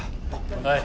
はい。